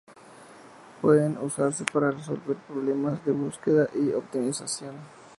Pueden usarse para resolver problemas de búsqueda y optimización.